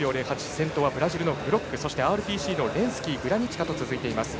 先頭はブラジルのグロックそしてＲＰＣのレンスキーグラニチカと続きます。